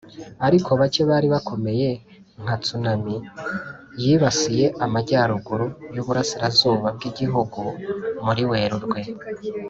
ariko bake bari bakomeye nka tsunami yibasiye amajyaruguru yuburasirazuba bwigihugu muri werurwe.